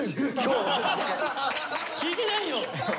聞いてないよ！